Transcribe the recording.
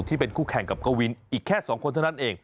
ที่เป็นคู่แข่งกับกวินอีกแค่๒คนเท่านั้นเอง